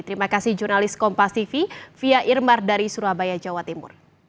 terima kasih jurnalis kompas tv fia irmar dari surabaya jawa timur